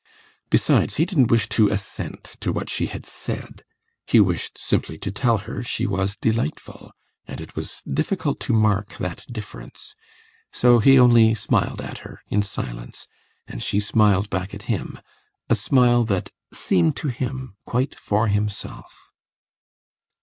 Besides, he didn't wish to assent to what she had said; he wished simply to tell her she was delightful, and it was difficult to mark that difference. So he only smiled at her in silence, and she smiled back at him a smile that seemed to him quite for himself.